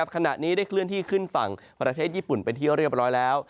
ขณะนี้ได้เคลื่อนที่ขึ้นฝั่งประเทศญี่ปุ่นเป็นที่เรียบร้อยแล้ว